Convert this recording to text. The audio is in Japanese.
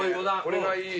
これがいい。